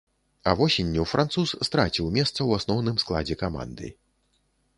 А восенню француз страціў месца ў асноўным складзе каманды.